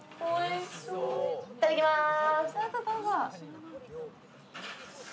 いただきます。